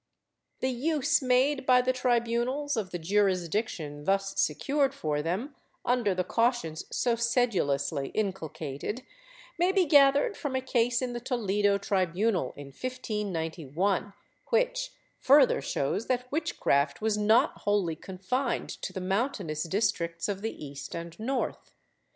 ^ The use made by the tribunals of the jurisdiction thus secured for them, under the cautions so sedulously inculcated, may be gathered from a case in the Toledo tribunal, in 1591, which further shows that witchcraft was not wholly confined to the mountainous districts of the east and north.